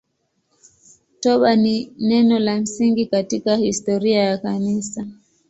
Toba ni neno la msingi katika historia ya Kanisa.